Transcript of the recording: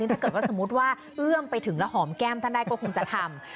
ถ้าเกิดว่าสมมุติว่าเอื้อมไปถึงแล้วหอมแก้มท่านได้ก็คงจะทำ